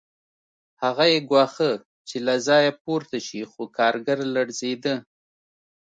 هغه یې ګواښه چې له ځایه پورته شي خو کارګر لړزېده